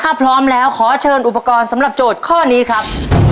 ถ้าพร้อมแล้วขอเชิญอุปกรณ์สำหรับโจทย์ข้อนี้ครับ